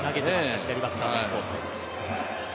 左バッターのコース。